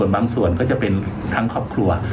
บางส่วนก็จะเป็นทั้งครอบครัว